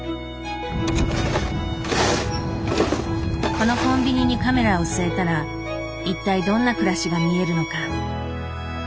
このコンビニにカメラを据えたら一体どんな暮らしが見えるのか。